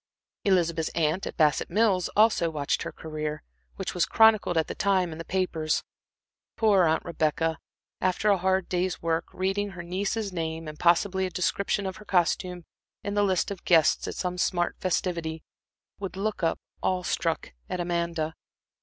Elizabeth's aunt at Bassett Mills also watched her career, which was chronicled at that time in the papers. Poor Aunt Rebecca, after a hard day's work, reading her niece's name, and possibly a description of her costume in the list of guests at some smart festivity, would look up, awe struck, at Amanda.